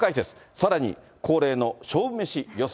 さらに恒例の勝負メシ予想。